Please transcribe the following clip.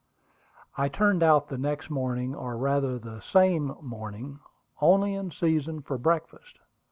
I turned out the next morning, or rather the same morning, only in season for breakfast.